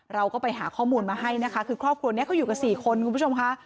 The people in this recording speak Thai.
เราก็ไปหาข้อมูลมาให้นะคะคือครอบครัวนี้เขาอยู่กัน๔คนคุณผู้ชมค่ะ